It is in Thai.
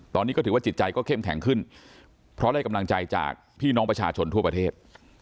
ตอนนี้ก็ถือว่าจิตใจก็เข้มแข็งขึ้นเพราะได้กำลังใจจากพี่น้องประชาชนทั่วประเทศ